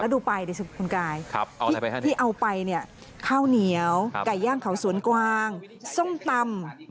แล้วดูไปคุณกายที่เอาไปเนี่ยข้าวเหนี้ยวก๋วย่างเขาสวนกวางส้มตำ